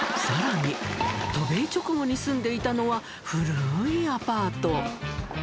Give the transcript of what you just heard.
さらに、渡米直後に住んでいたのは、古ーいアパート。